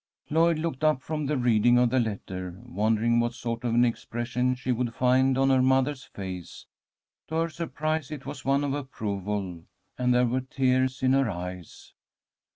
'" Lloyd looked up from the reading of the letter, wondering what sort of an expression she would find on her mother's face. To her surprise, it was one of approval, and there were tears in her eyes.